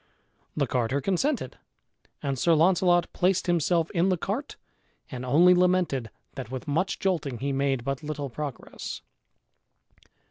The carter consented, and Sir Launcelot placed himself in the cart and only lamented that with much jolting he made but little progress.